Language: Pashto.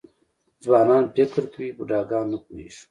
ځوانان فکر کوي بوډاګان نه پوهېږي .